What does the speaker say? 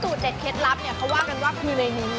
สูตรเด็ดเคล็ดลับเค้าก็ว่ากันว่าคือในนี้